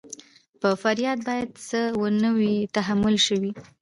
په فرد باید څه نه وي تحمیل شوي.